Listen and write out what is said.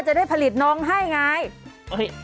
พ่อจะได้ผลิตน้องให้ไงพ่อจะได้ผลิตน้องให้ไง